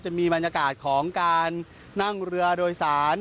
จะมีบรรยากาศของการนั่งเรือโดยสาร